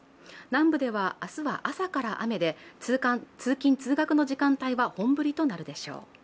南部では明日は朝から雨で通勤・通学の時間は本降りとなるでしょう。